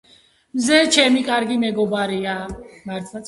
მზე ჩემი კარგი მეგობარია.